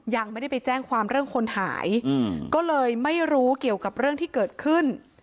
ยังไม่ได้ไปแจ้งความเรื่องคนหายก็เลยไม่รู้เกี่ยวกับเรื่องที่เกิดขึ้น